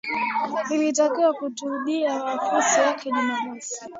Alitakiwa kuhutubia wafuasi wake Jumamosi.